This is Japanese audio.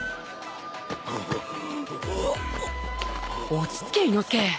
落ち着け伊之助。